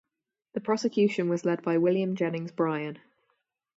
The prosecution was led by William Jennings Bryan.